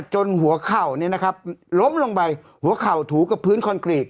จนหัวเข่านี่นะครับล้มลงไปหัวเข่าถูกกับพื้นคอนกรีต